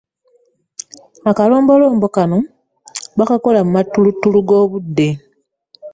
Alalombolombo Kano bakakola mu matulutulu g'obudde.